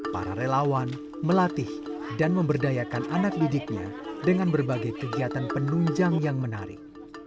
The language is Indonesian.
para relawan melatih dan memberdayakan anak didiknya dengan berbagai kegiatan penunjang yang menarik